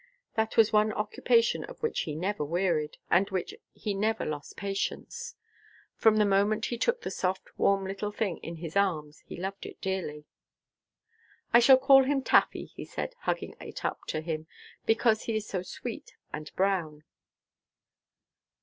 That was one occupation of which he never wearied, and in which he never lost patience. From the moment he took the soft, warm, little thing in his arms, he loved it dearly. "I shall call him Taffy," he said, hugging it up to him, "because he's so sweet and brown."